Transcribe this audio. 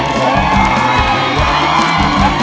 ร้องได้ให้ร้าน